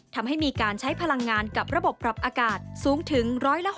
ทำให้มีการใช้พลังงานกับระบบปรับอากาศสูงถึง๑๖๐